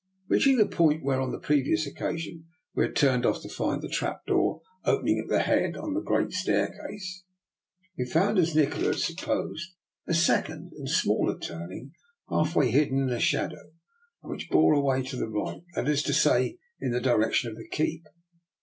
Reaching the point where, on the previous occasion, we had turned off to find the trap door, opening at the head on the great staircase, we found, as Nikola had sup posed, a second and smaller turning half hidden in shadow and which bore away to the right, that is to say, in the direc tion of the keep.